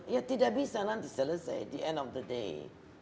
ya tidak bisa nanti selesai di akhir hari